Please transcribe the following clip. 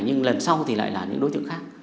nhưng lần sau thì lại là những đối tượng khác